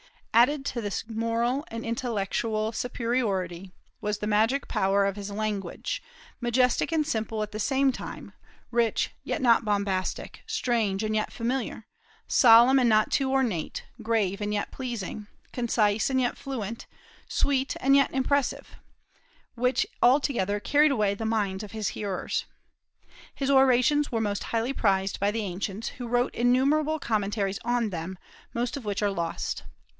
Added to this moral and intellectual superiority was the "magic power of his language, majestic and simple at the same time, rich yet not bombastic, strange and yet familiar, solemn and not too ornate, grave and yet pleasing, concise and yet fluent, sweet and yet impressive, which altogether carried away the minds of his hearers." His orations were most highly prized by the ancients, who wrote innumerable commentaries on them, most of which are lost.